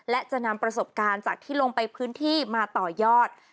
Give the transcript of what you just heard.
และจะนำประสบการณ์จากที่ลงไปพื้นที่มาต่อยอด